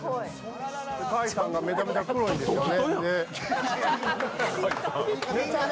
開さんがめちゃくちゃ黒いんですよね。